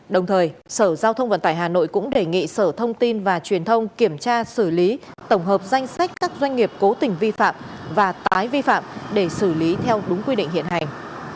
đồng thời sở giao thông vận tải hà nội cũng đề nghị sở thông tin và truyền thông kiểm tra xử lý tổng hợp danh sách các doanh nghiệp cố tình vi phạm và tái vi phạm để xử lý theo đúng quy định hiện hành